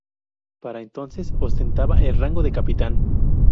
Para entonces ostentaba el rango de capitán.